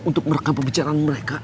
untuk merekam pembicaraan mereka